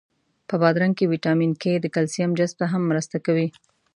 په بادرنګ کی ویټامین کا د کلسیم جذب ته هم مرسته کوي.